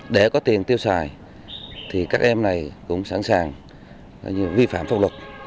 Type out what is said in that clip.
để có tiền tiêu xài thì các em này cũng sẵn sàng vi phạm pháp luật